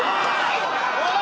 おい！